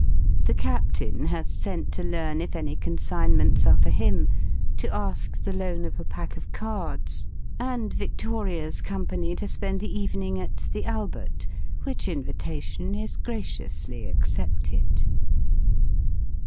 The Captain has sent to learn if any consignments are for him, to ask the loan of a pack of cards, and Victoria's company to spend the evening at the Albert which invitation is graciously accepted.